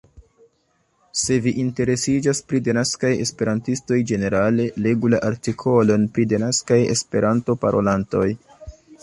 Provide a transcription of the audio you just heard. Se vi interesiĝas pri denaskaj Esperantistoj ĝenerale, legu la artikolon pri denaskaj Esperanto-parolantoj.